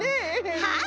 はい。